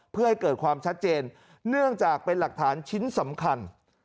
เพื่อให้เกิดความชัดเจนเนื่องจากเป็นหลักฐานชิ้นสำคัญ